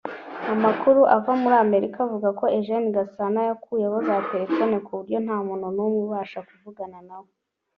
Amakuru ava muri Amerika avuga ko Eugene Gasana yakuyeho za Telefone kuburyo ntamuntu numwe ubasha kuvugana nawe